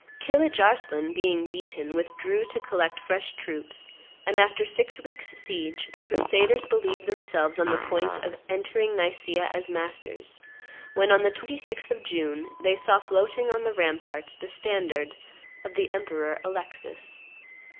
Kilidge Arslan, being beaten, withdrew to collect fresh troops, and, after six weeks' siege, the crusaders believed themselves on the point of entering Nicaea as masters, when, on the 26th of June, they saw floating on the ramparts the standard of the Emperor Alexis.